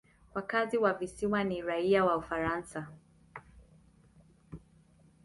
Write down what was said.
Wakazi wa visiwa ni raia wa Ufaransa.